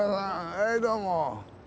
はいどうも。